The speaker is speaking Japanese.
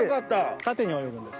縦に泳ぐんです。